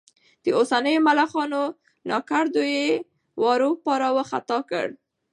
د اوسنيو ملخانو ناکردو یې واروپار ختا کړ.